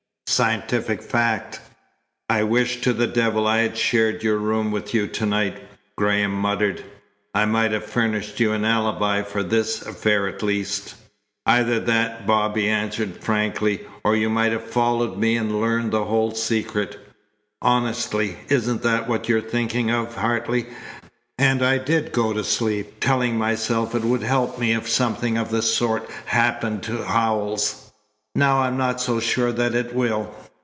"Scientific fact." "I wish to the devil I had shared your room with you to night," Graham muttered. "I might have furnished you an alibi for this affair at least." "Either that," Bobby answered frankly, "or you might have followed me and learned the whole secret. Honestly, isn't that what you were thinking of, Hartley? And I did go to sleep, telling myself it would help me if something of the sort happened to Howells. Now I'm not so sure that it will.